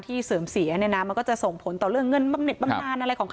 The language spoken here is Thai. ที่เสริมเสียเนี้ยมันก็จะส่งผลต่อเรื่องเงื่อนเงินเป็นมานอาหารอะไรของ